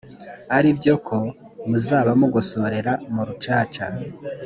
ari byo ko muzaba mugosorera mu rucaca